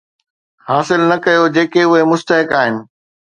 حاصل نه ڪيو جيڪو اهي مستحق آهن